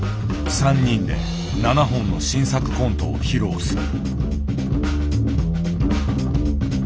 ３人で７本の新作コントを披露する。